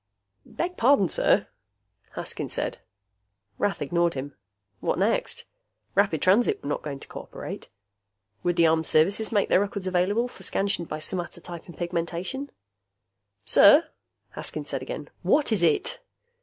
"Beg pardon, sir," Haskins said. Rath ignored him. What next? Rapid Transit was not going to cooperate. Would the Armed Services make their records available for scansion by somatotype and pigmentation? "Sir," Haskins said again. "What is it?"